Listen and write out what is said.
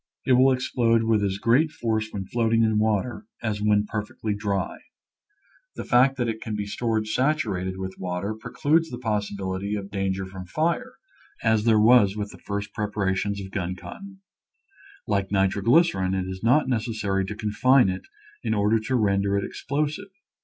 It will explode with as great force when floating in water as when perfectly dry. The fact that / i . Original from UNIVERSITY OF WISCONSIN 234 "Nature's Piracies. it can be stored saturated with water pre cludes the possibility of danger from fire, as there was with the first preparations of gun cotton. Like nitroglycerin, it is not necessary to confine it in order to render it explosive.